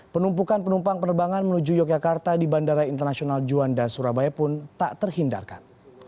penumpukan penumpang penerbangan menuju yogyakarta di bandara internasional juanda surabaya pun tak terhindarkan